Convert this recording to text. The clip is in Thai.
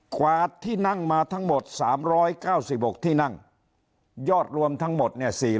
กวาดที่นั่งมาทั้งหมด๓๙๖ที่นั่งยอดรวมทั้งหมดเนี่ย